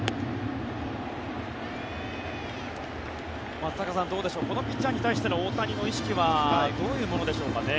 松坂さん、どうでしょうこのピッチャーに対しての大谷の意識はどういうものでしょうかね？